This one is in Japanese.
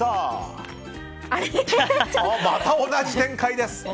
また同じ展開です。